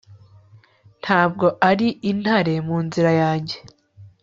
Ntabwo ari intare mu nzira yanjye